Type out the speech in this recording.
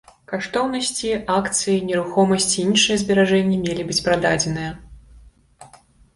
Каштоўнасці, акцыі, нерухомасць і іншыя зберажэнні мелі быць прададзеная.